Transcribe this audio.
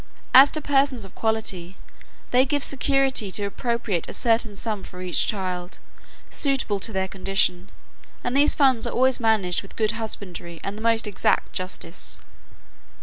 As to persons of quality, they give security to appropriate a certain sum for each child, suitable to their condition; and these funds are always managed with good husbandry and the most exact justice.